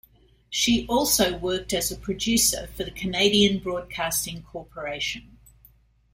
She also worked as a producer for the Canadian Broadcasting Corporation.